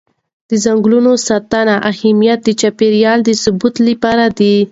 د ځنګلونو د ساتنې اهمیت د چاپېر یال د ثبات لپاره دی.